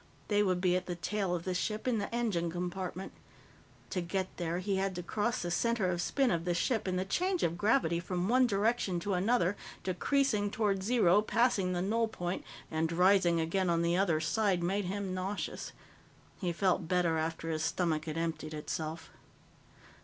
They would be at the tail of the ship, in the engine compartment. To get there, he had to cross the center of spin of the ship, and the change of gravity from one direction to another, decreasing toward zero, passing the null point, and rising again on the other side, made him nauseous. He felt better after his stomach had emptied itself.